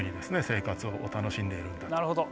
生活を楽しんでいる。